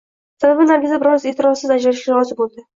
Sababi Nargiza biror e`tirozsiz ajrashishga rozi bo`ldi